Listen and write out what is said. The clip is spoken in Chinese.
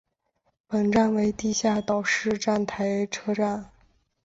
本站为地下岛式站台车站。